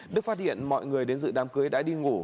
đức phát hiện mọi người đến dự đám cưới đã đi ngủ